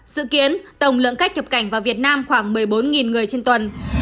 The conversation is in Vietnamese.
dự kiến tổng lượng khách nhập cảnh vào việt nam khoảng một mươi bốn người trên tuần